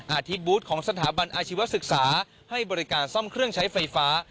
ที่บูธของสถาบันอาชีวศึกษาให้บริการซ่อมเครื่องใช้ไฟฟ้า